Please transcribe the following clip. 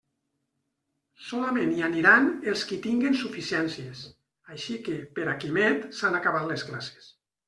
Solament hi aniran els qui tinguen suficiències; així que, per a Quimet, s'han acabat les classes.